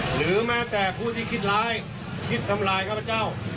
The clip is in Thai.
หรือแม้แต่ผู้ที่คิดร้ายคิดทำลายข้าพเจ้า